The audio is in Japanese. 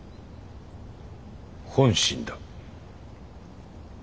本心だ。